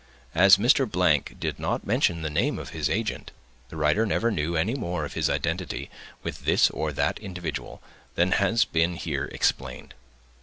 As Mr. —— did not mention the name of his agent, the writer never knew any more of his identity with this or that individual, than has been here explained.